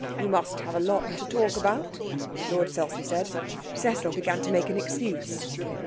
You must have a lot to talk about,' Lord Selsey said. Cecil began to make an excuse.